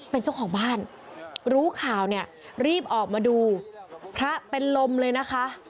เป็นเจ้าของบ้านรู้ข่าวเนี่ยรีบออกมาดูพระเป็นลมเลยนะคะ